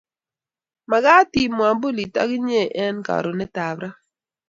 Makat iip mwambulit ak inye eng karonet ap ra